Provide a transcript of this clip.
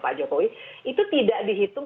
pak jokowi itu tidak dihitung